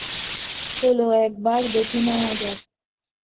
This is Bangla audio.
চলো একবার দেখে নেওয়া যাক।